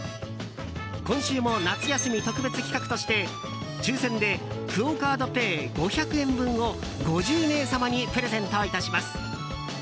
今週も夏休み特別企画として抽選でクオ・カードペイ５００円分を５０名様にプレゼントいたします。